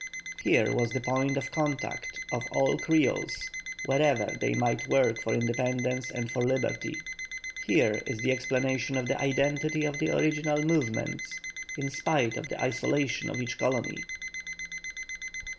Here was the point of contact of all Creoles, wherever they might work for independence and for liberty. Here is the explanation of the identity of the original movements in spite of the isolation of each colony.